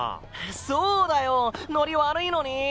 そうだよノリ悪いのに。